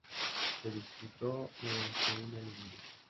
Se disputó mediante una liguilla.